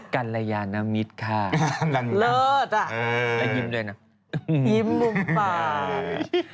กัลยานมิตรค่ะเลิศอ่ะแล้วยิ้มด้วยนะยิ้มมุมปาก